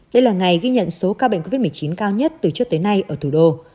đây là ngày ghi nhận số ca bệnh covid một mươi chín cao nhất từ trước tới nay ở thủ đô